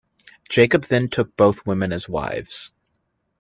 Jacob then took both women as wives.